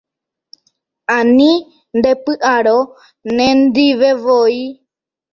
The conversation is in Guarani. Ani ndepy'arõ nendivevoi